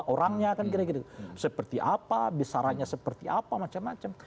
orangnya seperti apa besarannya seperti apa macam macam